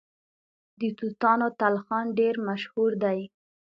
د توتانو تلخان ډیر مشهور دی.